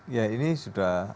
ya ini sudah